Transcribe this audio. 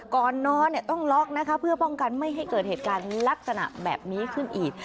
ก่อนนอนต้องล็อกนะคะเพื่อป้องกันไม่ให้เกิดเหตุการณ์ลักษณะแบบนี้ขึ้นอีก